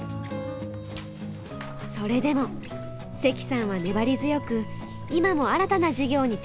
それでも関さんは粘り強く今も新たな事業に挑戦し続けています。